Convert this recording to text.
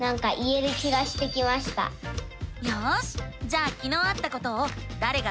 よしじゃあきのうあったことを「だれが」